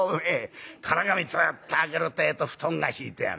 唐紙つっと開けるってえと布団が敷いてある。